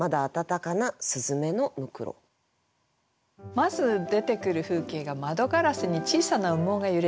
まず出てくる風景が「窓ガラスに小さな羽毛がゆれている」。